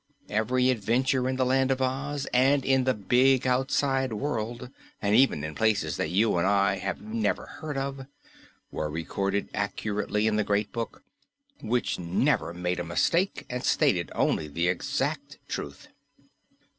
Every adventure in the Land of Oz and in the big outside world, and even in places that you and I have never heard of, were recorded accurately in the Great Book, which never made a mistake and stated only the exact truth.